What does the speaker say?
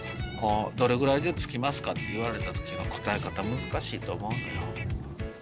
「どれくらいで着きますか？」って言われた時の答え方難しいと思うのよ。